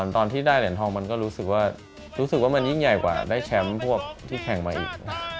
ตอนที่ได้เหรียญทองมันก็รู้สึกว่ารู้สึกว่ามันยิ่งใหญ่กว่าได้แชมป์พวกที่แข่งมาอีก